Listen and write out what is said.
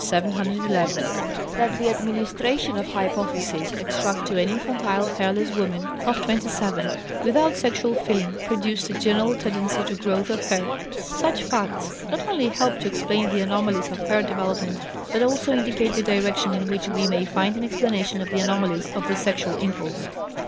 711) that the administration of hypophysis extract to an infantile, hairless woman of 27, without sexual feeling, produced a general tendency to growth of hair. Such facts not only help to explain the anomalies of hair development, but also indicate the direction in which we may find an explanation of the anomalies of the sexual impulse.